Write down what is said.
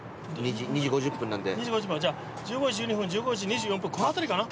２時５０分じゃあ１５時１２分１５時２４分このあたりかな？